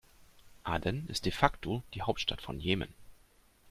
Aden ist de facto die Hauptstadt von Jemen.